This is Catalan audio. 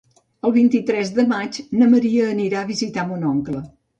El vint-i-tres de maig na Maria anirà a visitar mon oncle.